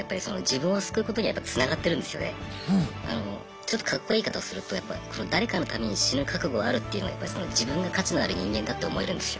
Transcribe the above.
ちょっとカッコいい言い方をすると誰かのために死ぬ覚悟あるっていうのは自分が価値のある人間だって思えるんですよ。